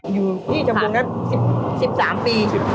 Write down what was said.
อยู่ที่ตำบลนั้น๑๓ปี